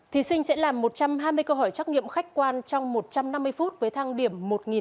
thí sinh sẽ làm một trăm hai mươi câu hỏi trắc nghiệm khách quan trong một trăm năm mươi phút với thăng điểm một hai trăm linh